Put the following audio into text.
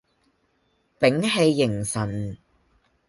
屏氣凝神